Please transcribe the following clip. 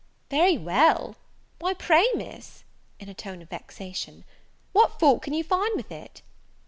"Very well! Why, pray Miss," in a tone of vexation, "what fault can you find with it?"